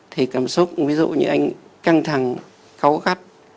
thì cảm xúc ví dụ như anh căng thẳng khó khăn